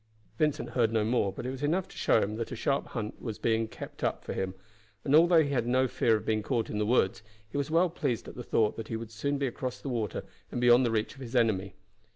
Vincent heard no more, but it was enough to show him that a sharp hunt was being kept up for him; and although he had no fear of being caught in the woods, he was well pleased at the thought that he would soon be across the water and beyond the reach of his enemy.